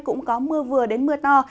cũng có mưa vừa đến mưa to